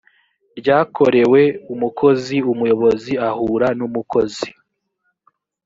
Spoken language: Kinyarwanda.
ryakorewe umukozi umuyobozi ahura n umukozi